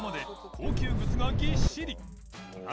高級靴がぎっしり稈